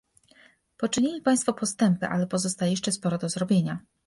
Poczynili Państwo postępy, ale pozostaje jeszcze sporo do zrobienia